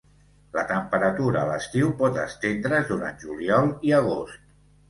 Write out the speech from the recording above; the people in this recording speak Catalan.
La temperatura a l'estiu pot estendre's durant juliol i agost.